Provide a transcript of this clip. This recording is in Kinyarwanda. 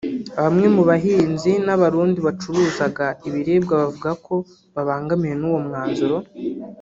Bamwe mu bahinzi n’Abarundi bacuruzaga ibiribwa bavuga ko babangamiwe n’uwo mwanzuro